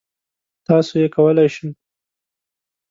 تاسو یې کولای شی.